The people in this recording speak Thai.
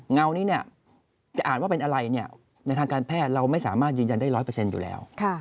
เงานี้จะอ่านว่าเป็นอะไรในทางการแพทย์เราไม่สามารถยืนยันได้๑๐๐อยู่แล้ว